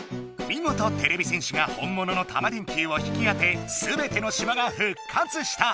みごとてれび戦士が本もののタマ電Ｑを引き当てすべてのしまがふっかつした！